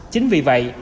chính vì vậy